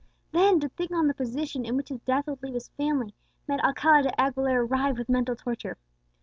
Then, to think on the position in which his death would leave his family made Alcala de Aguilera writhe with mental torture.